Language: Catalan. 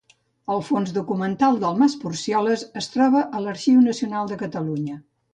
El fons documental del mas Porcioles es troba a l'Arxiu Nacional de Catalunya.